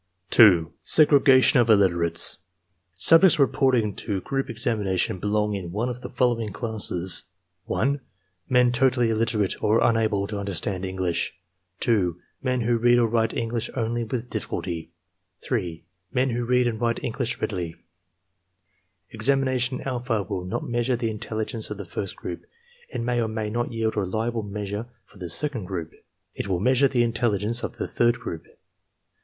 II. SEGREGATION OF ILLITERATES Subjects reporting for group examination belong in one of the following classes: (1) Men totally illiterate or unable to understand English; (2) Men who read or write English. only with difficulty; (3) Men who read and write English readily. Examination alpha will not measure the intelligence of the first group; it may or may not yield a reliable measure for the second group; it will measure the intelligence of. the third group.